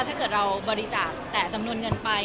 ถ้าเกิดเราบริจาคแต่จำนวนเงินไป